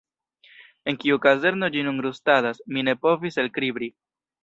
En kiu kazerno ĝi nun rustadas, mi ne povis elkribri.